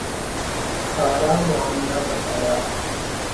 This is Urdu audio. سارا معاملہ بتایا۔